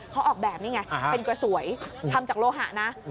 เขาออกแบบนี้ไงเป็นกระสวยทำจากโลหะนะ